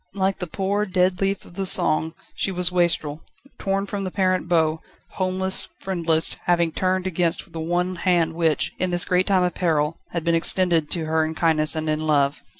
Like the poor, dead leaf of the song, she was wastrel, torn from the parent bough, homeless, friendless, having turned against the one hand which, in this great time of peril, had been extended to her in kindness and in love.